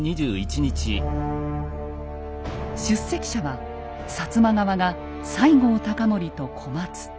出席者は摩側が西郷隆盛と小松。